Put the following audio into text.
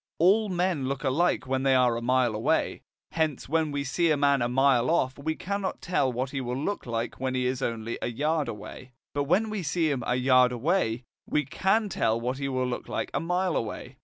All men look alike when they are a mile away, hence when we see a man a mile off we cannot tell what he will look like when he is only a yard away. But when we see him a yard away, we can tell what he will look like a mile away.